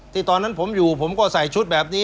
ตอนนั้นผมอยู่ผมก็ใส่ชุดแบบนี้